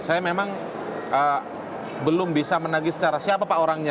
saya memang belum bisa menagi secara siapa pak orangnya